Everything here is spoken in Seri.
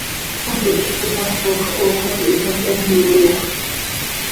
Oficj quih itapox, ox oo tihitac, heme yoofp.